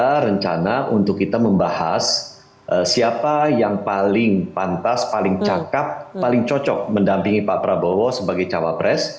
ada rencana untuk kita membahas siapa yang paling pantas paling cakep paling cocok mendampingi pak prabowo sebagai cawapres